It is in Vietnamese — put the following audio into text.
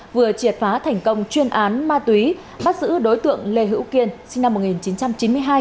vừa triệt phá thành công chuyên án ma túy bắt giữ đối tượng lê hữu kiên sinh năm một nghìn chín trăm chín mươi hai